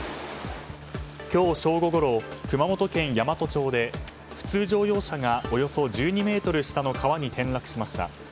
今日正午ごろ熊本県山都町で普通乗用車がおよそ１２ｍ下の川に転落しました。